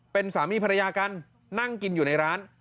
เป็นสามีภรรยากันนั่งกินอยู่ในร้าน